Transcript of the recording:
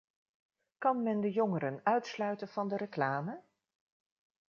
Kan men de jongeren uitsluiten van de reclame?